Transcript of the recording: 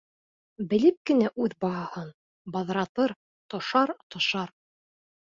Белеп кенә үҙ баһаһын Баҙратыр тошар-тошар.